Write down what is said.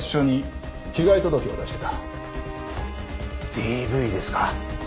ＤＶですか。